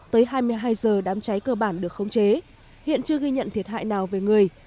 tới hai mươi hai giờ đám cháy cơ bản được khống chế hiện chưa ghi nhận thiệt hại nào về người